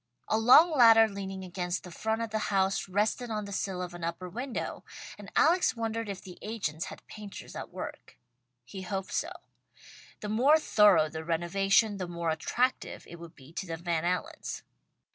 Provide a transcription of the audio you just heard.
A long ladder leaning against the front of the house, rested on the sill of an upper window, and Alex wondered if the agents had painters at work. He hoped so. The more thorough the renovation, the more attractive it would be to the Van Allens.